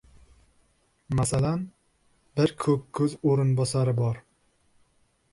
— Masalan, bir ko‘kko‘z o‘rinbosari bor.